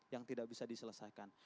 yang tidak bisa diselesaikan